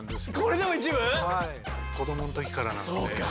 子どもの時からなので。